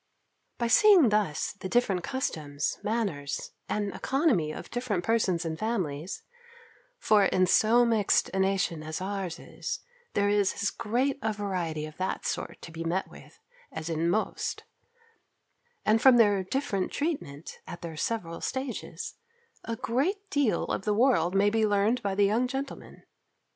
By seeing thus the different customs, manners, and economy of different persons and families (for in so mixed a nation as ours is, there is as great a variety of that sort to be met with, as in most), and from their different treatment, at their several stages, a great deal of the world may be learned by the young gentleman.